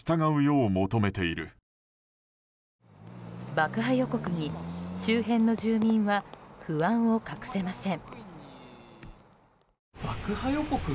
爆破予告に周辺の住民は不安を隠せません。